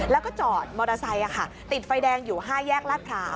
แล้วก็จอดมอเตอร์ไซค์ติดไฟแดงอยู่๕แยกลาดพร้าว